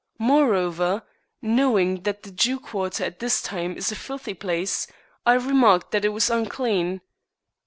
Moreover, knowing that the Jew quarter at this time is a filthy place, I remarked that It was unclean."